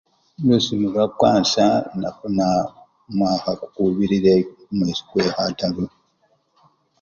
lusimu lwa kwansa nafuna mumwakha kubirire mu mwesi kwe khataru